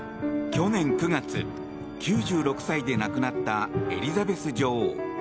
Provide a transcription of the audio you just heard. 去年９月、９６歳で亡くなったエリザベス女王。